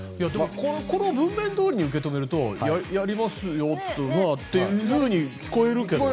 この文面通りで受け止めると、やりますよというふうに聞こえるけどね。